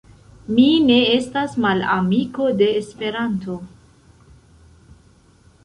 Mi ne estas malamiko de Esperanto.